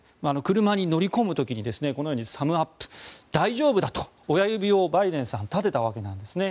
車に乗り込む時にこのようにサムアップ大丈夫だと親指を、バイデンさん立てたわけなんですね。